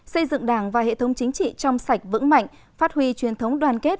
xây dựng đảng và hệ thống chính trị trong sạch vững mạnh phát huy truyền thống đoàn kết